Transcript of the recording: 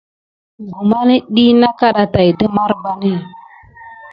Guma net dik na kaɗa tät didine marbani.